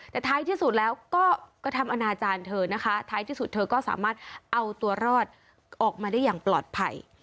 แต่ท้ายที่สุดแล้วก็กระทำอนาจารย์เธอนะคะท้ายที่สุดเธอก็สามารถเอาตัวรอดออกมาได้อย่างปลอดภัย